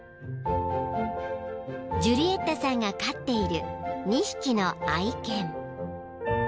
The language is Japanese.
［ジュリエッタさんが飼っている２匹の愛犬］